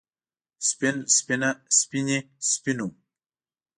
سپين سپينه سپينې سپينو